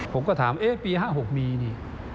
ผมก็ถามปี๕๖มีนี่